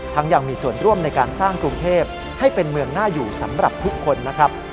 ยังมีส่วนร่วมในการสร้างกรุงเทพให้เป็นเมืองน่าอยู่สำหรับทุกคนนะครับ